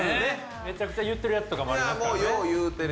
めちゃくちゃ言ってるやつとかもありますからね。